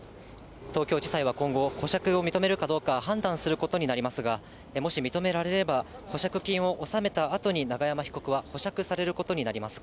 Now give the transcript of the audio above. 東京地裁は今後、保釈を認めるかどうか判断することになりますが、もし認められれば、保釈金を納めたあとに、永山被告は保釈されることになります。